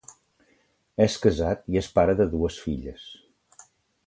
És casat i és pare de dues filles.